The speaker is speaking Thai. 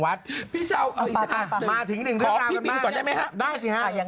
และเค้าปฏิบัติอยู่แบบเทกกิจเขา